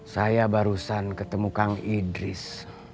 saya barusan ketemu kang idris